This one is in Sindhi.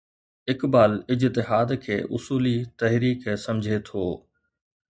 اقبال اجتهاد کي اصولي تحريڪ سمجهي ٿو.